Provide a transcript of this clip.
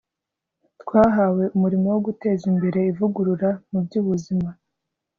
twahawe umurimo wo guteza imbere ivugurura mu by'ubuzima